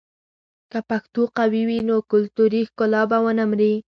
که پښتو قوي وي، نو کلتوري ښکلا به ونه مري.